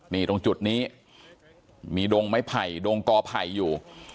นี่ตรงจุดนี้มีดงไม้ไผ่ดงกอไผ่อยู่